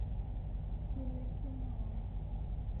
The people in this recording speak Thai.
ชิ้นเล็กชิ้นน้อย